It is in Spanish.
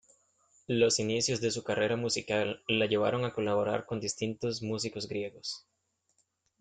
Los inicios de su carrera musical la llevaron a colaborar con distintos músicos griegos.